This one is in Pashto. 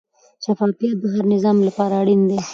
شفافیت د هر نظام لپاره اړین دی.